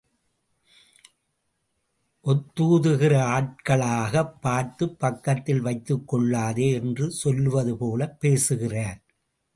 ஒத்தூதுகிற ஆட்களாகப் பார்த்துப் பக்கத்தில் வைத்துக்கொள்ளாதே என்று சொல்லுவதுபோலப் பேசுகிறார்.